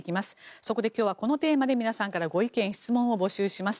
そこで今日はこのテーマで皆さんからご意見・質問を募集します。